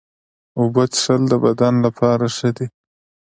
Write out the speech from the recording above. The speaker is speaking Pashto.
اوبه څښل د بدن لپاره ښه دي.